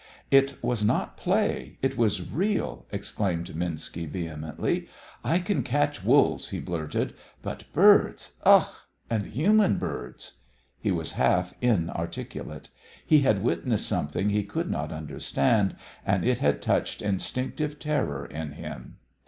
"It was not play; it was real," exclaimed Minski vehemently. "I can catch wolves," he blurted; "but birds ugh! and human birds!" He was half inarticulate. He had witnessed something he could not understand, and it had touched instinctive terror in him.